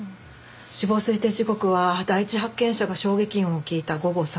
死亡推定時刻は第一発見者が衝撃音を聞いた午後３時で間違いない。